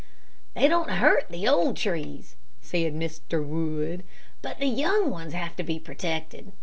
"They don't hurt the old trees," said Mr. Wood; "but the young ones have to be protected.